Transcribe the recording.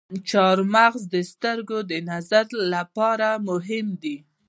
چارمغز د سترګو د نظر لپاره مهم دی.